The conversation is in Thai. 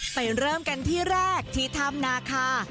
เริ่มกันที่แรกที่ถ้ำนาคา